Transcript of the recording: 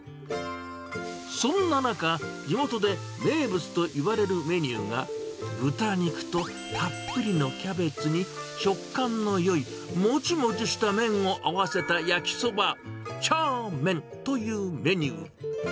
そんな中、地元で名物といわれるメニューが豚肉とたっぷりのキャベツに食感のよいもちもちした麺を合わせた焼きそば、チャー麺というメニュー。